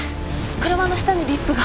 車の下にリップが。